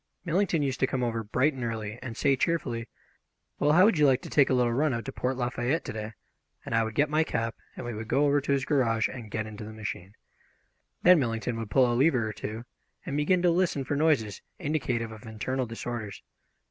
Millington used to come over bright and early and say cheerfully, "Well, how would you like to take a little run out to Port Lafayette to day?" and I would get my cap, and we would go over to his garage and get into the machine. Then Millington would pull a lever or two, and begin to listen for noises indicative of internal disorders.